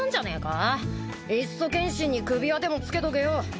いっそ剣心に首輪でもつけとけよ。